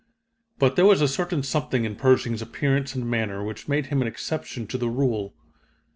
But there was a certain something in Pershing's appearance and manner which made him an exception to the rule.